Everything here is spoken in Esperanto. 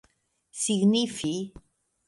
signifi